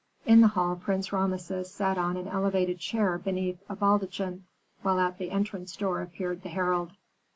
In the hall Prince Rameses sat on an elevated chair beneath a baldachin, while at the entrance door appeared the herald.